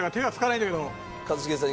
一茂さん